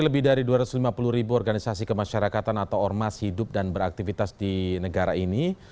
lebih dari dua ratus lima puluh ribu organisasi kemasyarakatan atau ormas hidup dan beraktivitas di negara ini